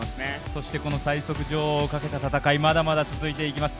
そしてこの最速女王をかけた戦い、まだまだ続いていきます。